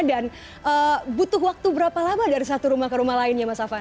dan butuh waktu berapa lama dari satu rumah ke rumah lain ya mas afan